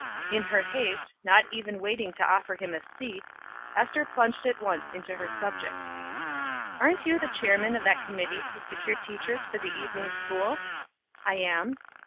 In her haste, not even waiting to offer him a seat, Ester plunged at once into her subject. "Aren't you the chairman of that committee to secure teachers for the evening school?" "I am."